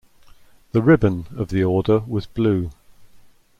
The "ribbon" of the Order was blue.